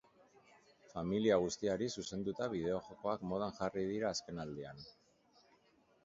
Familia guztiari zuzenduta bideojokoak modan jarri dira azkenaldian.